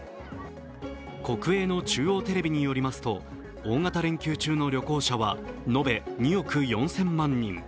国営の中央テレビによりますと大型連休中の旅行者は延べ２億４０００万人。